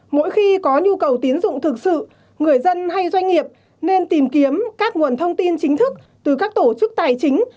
mỗi khi có nhu cầu tiến dụng thực sự người dân hay doanh nghiệp nên tìm kiếm các nguồn thông tin chính thức từ các tổ chức tài chính